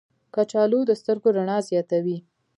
کچالو د سترګو رڼا زیاتوي.